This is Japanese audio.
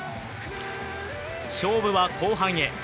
勝負は後半へ。